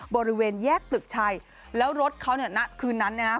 บริเวณแยกตึกชัยแล้วรถเขาเนี่ยณคืนนั้นนะครับ